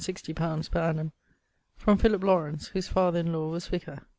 _ per annum from Philip Laurence, whose father in law was vicar.